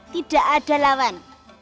tidak ada lawan